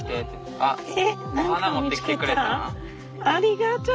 ありがとう！